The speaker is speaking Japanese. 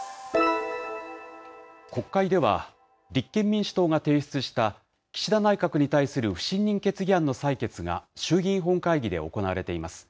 国会では、立憲民主党が提出した岸田内閣に対する不信任決議案の採決が衆議院本会議で行われています。